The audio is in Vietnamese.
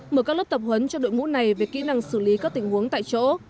mở các lớp tập huấn cho đội ngũ này về kỹ năng xử lý các tình huống tại chỗ